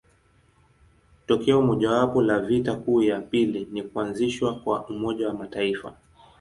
Tokeo mojawapo la vita kuu ya pili ni kuanzishwa kwa Umoja wa Mataifa.